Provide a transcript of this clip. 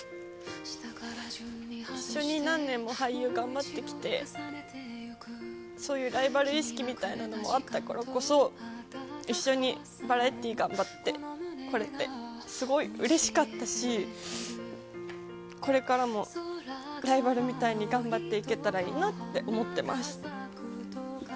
一緒に何年も俳優、頑張ってきて、そういうライバル意識みたいなのもあったからこそ、一緒にバラエティー頑張ってこれて、すごいうれしかったし、これからもライバルみたいに頑張っていけたらいいなって思ってます。